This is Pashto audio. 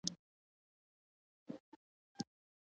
خوږوالی د خوړو ارزښت لوړوي.